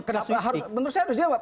menurut saya harus dijawab